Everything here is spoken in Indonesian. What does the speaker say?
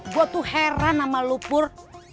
gue tuh heran sama lu pur